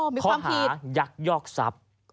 อ๋อมีความผิดเพราะหายักษ์ยอกทรัพย์